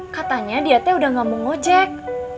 katanya dia teh udah gak mau ngojek